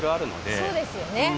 そうですよね。